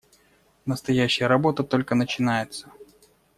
Настоящая работа только начинается.